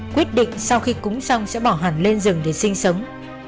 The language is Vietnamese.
quyết định sau khi cúng xong sẽ bỏ hẳn lên rừng để sinh sống